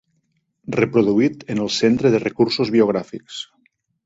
Reproduït en el Centre de recursos biogràfics.